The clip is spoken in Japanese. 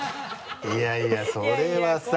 いやいやそれはさぁ。